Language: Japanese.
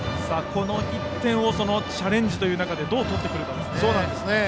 この１点をチャレンジという中でどう取ってくるかですね。